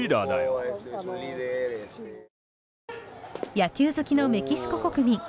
野球好きのメキシコ国民。